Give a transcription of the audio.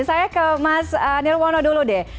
saya ke mas nirwono dulu deh